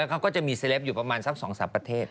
เขาก็จะมีเซลปอยู่ประมาณสัก๒๓ประเทศ